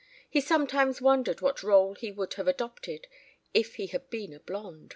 (He sometimes wondered what rôle he would have adopted if he had been a blond.)